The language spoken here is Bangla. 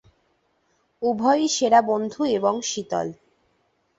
উভয়ই সেরা বন্ধু এবং শীতল।